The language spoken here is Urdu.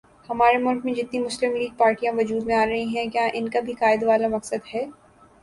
ہمارے ملک میں جتنی مسلم لیگ پارٹیاں وجود میں آرہی ہیں کیا انکا بھی قائد والا مقصد ہے